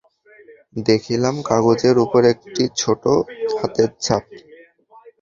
দেখিলাম, কাগজের উপর একটি ছোটো হাতের ছাপ।